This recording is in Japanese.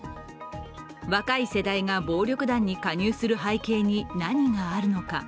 若い世代が暴力団に加入する背景に何があるのか。